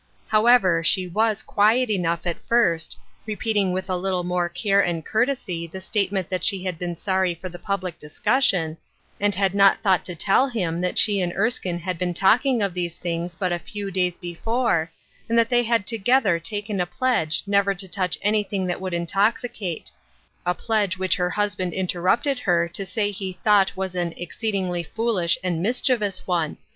How ever, she was quiet enough at first, repeating with a little more care and courtesy the statement that she had been sorry for the public discussion, and had not thought to tell him that she and Erskine had been talking of these things but a few days before, and that they had together taken a pledge never to touch anything that could intoxicate — a pledge which her husband interrupted her to say he thought was an " exceedingly foolish and mis chievous one.